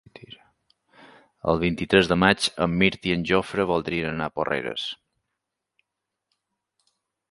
El vint-i-tres de maig en Mirt i en Jofre voldrien anar a Porreres.